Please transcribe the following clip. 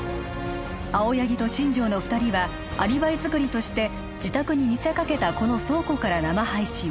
青柳と新城の二人はアリバイ作りとして自宅に見せかけたこの倉庫から生配信